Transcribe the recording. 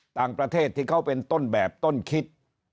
ต่างประเทศที่เขาเป็นต้นแบบต้นคิด